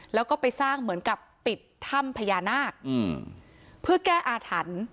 แล้วก็ไปสร้างเหมือนกับปิดถ้ำพญานาคอืมเพื่อแก้อาถรรพ์